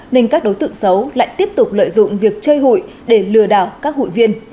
nên các đối tượng xấu lại tiếp tục lợi dụng việc chơi hụi để lừa đảo các hụi viên